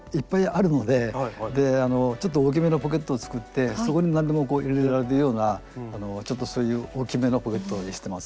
でちょっと大きめのポケットを作ってそこに何でもこう入れられるようなちょっとそういう大きめのポケットにしてます。